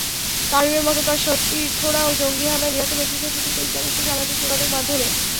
তামিমের মতো তাঁর সতীর্থরাও জঙ্গি হামলায় নিহত ব্যক্তিদের প্রতি শোক জানিয়েছেন সামাজিক যোগাযোগমাধ্যমে।